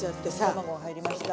卵入りました。